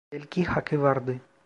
Belki hakkı vardı.